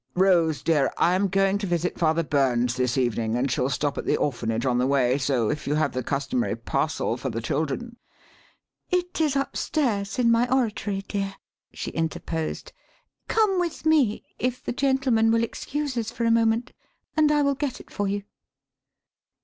Rose, dear, I am going to visit Father Burns this evening and shall stop at the orphanage on the way, so if you have the customary parcel for the children " "It is upstairs, in my oratory, dear," she interposed. "Come with me if the gentlemen will excuse us for a moment and I will get it for you."